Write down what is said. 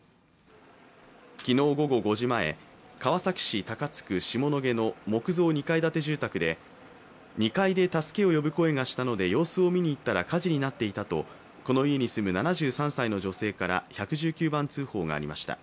昨日午後５時前、川崎市高津区下野毛の木造２階建て住宅で２階で助けを呼ぶ声がしたので、様子を見に行ったら火事になっていたとこの家に住む７３歳の女性から１１９番通報がありました。